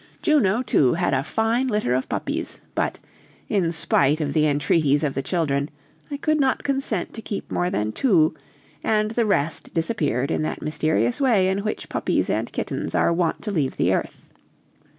Juno, too, had a fine litter of puppies, but, in spite of the entreaties of the children, I could not consent to keep more than two, and the rest disappeared in that mysterious way in which puppies and kittens are wont to leave the earth.